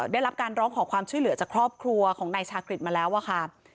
ได้รับการร้องขอความช่วยเหลือจากครอบครัวของนายชากฤษมาแล้วอะค่ะ